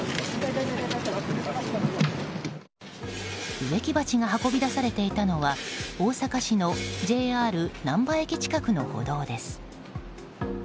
植木鉢が運び出されていたのは大阪市のＪＲ難波駅近くの歩道です。